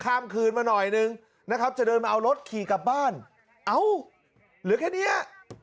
ข้ามคืนมาหน่อยนึงนะครับจะเดินมาเอารถขี่กลับบ้านเอ้าเหลือแค่เนี้ย